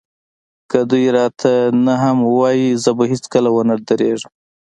که دوی راته نه هم ووايي زه به هېڅکله ونه درېږم.